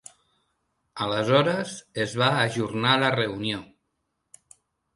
Aleshores, es va ajornar la reunió.